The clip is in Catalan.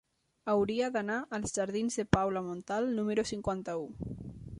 Hauria d'anar als jardins de Paula Montal número cinquanta-u.